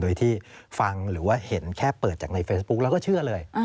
โดยที่ฟังหรือว่าเห็นแค่เปิดจากในเฟซบุ๊กแล้วก็เชื่อเลย